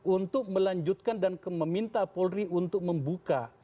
untuk melanjutkan dan meminta polri untuk membuka